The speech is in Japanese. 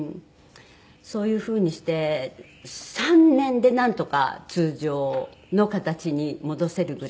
そういう風にして３年でなんとか通常の形に戻せるぐらいに。